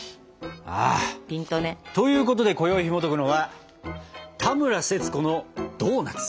あということでこよいひもとくのは「田村セツコのドーナツ」。